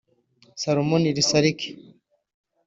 Solomon Nirisarike